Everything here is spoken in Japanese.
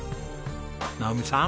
直美さん